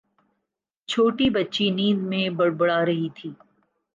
چھوٹی بچی نیند میں بڑبڑا رہی تھی